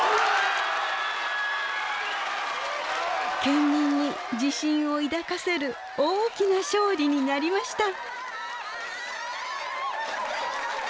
県民に自信を抱かせる大きな勝利になりました。